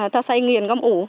ta xay nghiền ngâm ủ